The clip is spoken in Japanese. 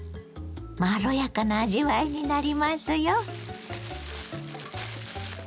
まろやかな味わいになりますよ。